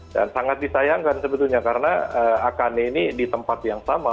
dan sangat disayangkan sebetulnya karena akane ini di tempat yang sama